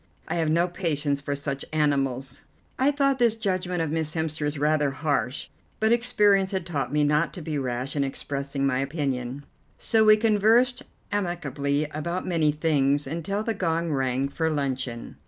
I have no patience with such animals." I thought this judgment of Miss Hemster's rather harsh, but experience had taught me not to be rash in expressing my opinion; so we conversed amicably about many things until the gong rang for luncheon.